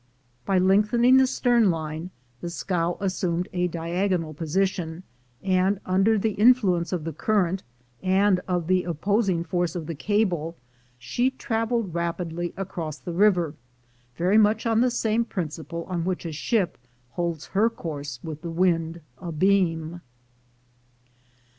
By lengthening the stern line, the scow assumed a diagonal position, and, under the influence of the current and of the oppos ing force of the cable, she traveled rapidly across the river, very much on the same principle on which a ship holds her course with the wind abeam.